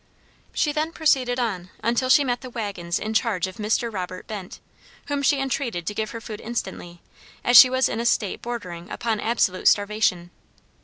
She then proceeded on until she met the wagons in charge of Mr. Robert Bent, whom she entreated to give her food instantly, as she was in a state bordering upon absolute starvation.